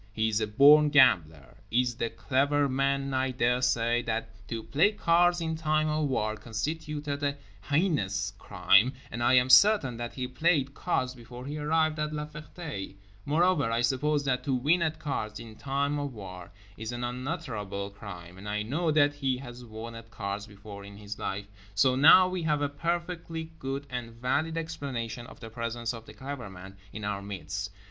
He is a born gambler, is The Clever Man—and I dare say that to play cards in time of war constituted a heinous crime and I am certain that he played cards before he arrived at La Ferté; moreover, I suppose that to win at cards in time of war is an unutterable crime, and I know that he has won at cards before in his life—so now we have a perfectly good and valid explanation of the presence of The Clever Man in our midst.